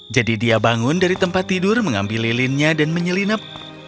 jadi dia bangun dari tempat tidur mengambil lilinnya dan menyelinap